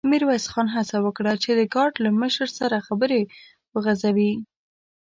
ميرويس خان هڅه وکړه چې د ګارد له مشر سره خبرې وغځوي.